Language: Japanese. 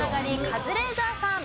カズレーザーさん。